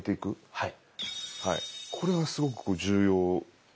はい。